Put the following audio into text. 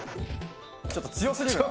ちょっと強すぎるわ。